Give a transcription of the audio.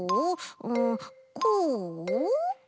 うんこう？